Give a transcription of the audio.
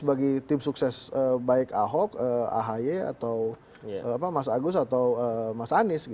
sebagai tim sukses baik ahok ahy atau mas agus atau mas anies